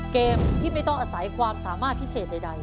เกมที่ไม่ต้องอาศัยความสามารถพิเศษใด